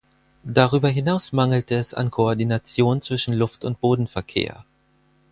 Darüber hinaus mangelte es an Koordination zwischen Luft- und Bodenverkehr.